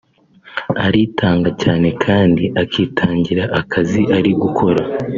Aritanga cyane kandi akitangira akazi ari gukora